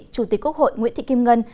chủ tịch quốc hội nguyễn thị kim ngân